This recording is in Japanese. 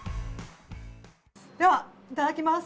では、いただきます。